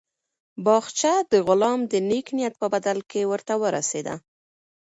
باغچه د غلام د نېک نیت په بدل کې ورته ورسېده.